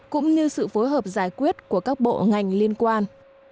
cũng như sự phối hợp giải quyết của các bộ ngành liên quan